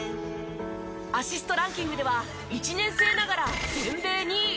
アシストランキングでは１年生ながら全米２位。